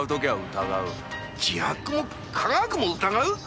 自白も科学も疑う？